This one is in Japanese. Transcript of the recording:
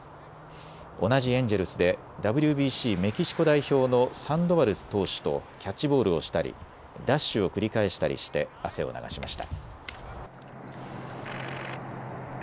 同じエンジェルスでＷＢＣメキシコ代表のサンドバル投手とキャッチボールをしたりダッシュを繰り返したりして汗を流しました。